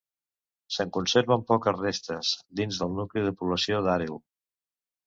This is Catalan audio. Se'n conserven poques restes, dins del nucli de població d'Àreu.